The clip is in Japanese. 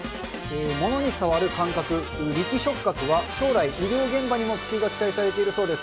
物に触る感覚、力触覚は将来、医療現場にも普及が期待されているそうです。